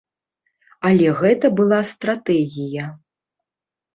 Але гэта была стратэгія.